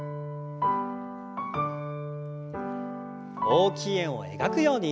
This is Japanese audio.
大きい円を描くように。